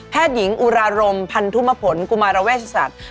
แพทย์หญิงอุรารมณ์พันธุมพลกุมารเวชศาสตร์